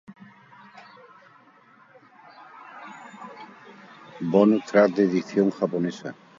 Bonus track de edición japonesa